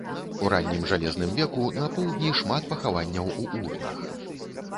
У раннім жалезным веку на поўдні шмат пахаванняў у урнах.